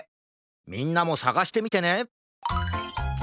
みんなもさがしてみてね！